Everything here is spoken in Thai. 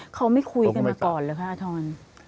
เขาไม่คุยกันมาก่อนเหรอคะอาทร